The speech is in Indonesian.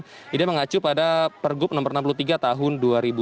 jadi mengacu pada pergub nomor enam puluh tiga tahun dua ribu delapan belas